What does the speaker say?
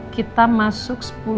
kita masuk sepuluh